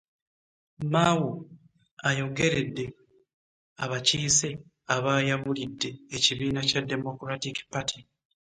Mao ayogeredde abakiise abaayabulidde ekibiina kya Democratic Party.